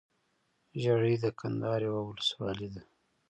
ژړۍ دکندهار يٶه ولسوالې ده